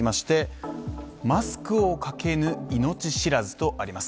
「マスクをかけぬ命知らず！」とあります。